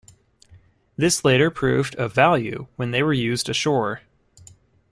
This later proved of value when they were used ashore.